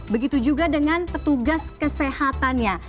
begitu juga dengan petugas kesehatannya